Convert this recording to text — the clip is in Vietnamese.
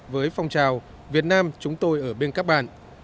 với phong trào việt nam chúng tôi ở bên các bạn